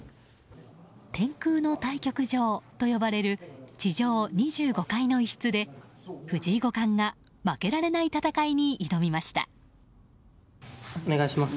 天空の対局場と呼ばれる地上２５階の一室で藤井五冠が負けられない戦いに挑みました。